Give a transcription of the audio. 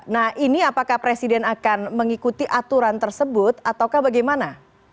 nah ini apakah presiden akan mengikuti aturan tersebut ataukah bagaimana